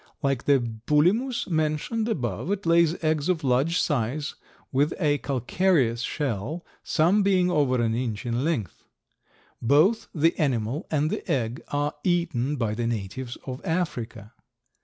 Like the Bulimus mentioned above it lays eggs of large size with a calcareous shell, some being over an inch in length. Both the animal and the egg are eaten by the natives of Africa.